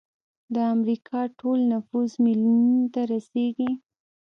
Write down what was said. د امریکا ټول نفوس میلیونونو ته رسیږي.